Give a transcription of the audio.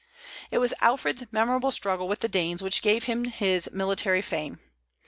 It was Alfred's memorable struggle with the Danes which gave to him his military fame.